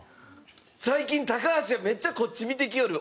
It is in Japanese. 「最近高橋がめっちゃこっち見てきよる。